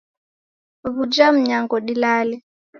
W'unja mnyango dilale